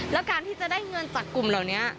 แล้วการที่จะได้เงินจากกลุ่มเหล่านี้